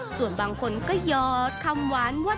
ส่วนบางคนก็หยอดคำหวานว่า